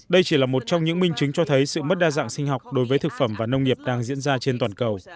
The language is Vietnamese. đây chỉ là một trong những minh chứng cho thấy sự mất đa dạng sinh học đối với thực phẩm và nông nghiệp đang diễn ra trên toàn cầu